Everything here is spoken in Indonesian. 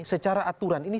secara aturan ini